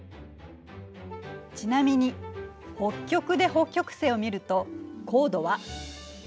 ちなみに北極で北極星を見ると高度は９０度。